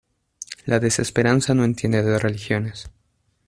la desesperanza no entiende de religiones.